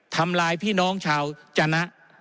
ทำลายพี่น้องชาวจนะ